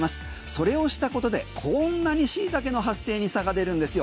それをしたことでこんなにシイタケの発生に差が出るんですよ。